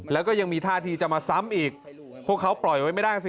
แล้วก็ยังมีท่าทีจะมาซ้ำอีกพวกเขาปล่อยไว้ไม่ได้สิ